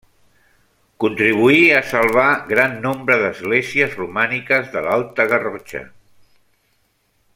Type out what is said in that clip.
Contribuí a salvar gran nombre d'esglésies romàniques de l'Alta Garrotxa.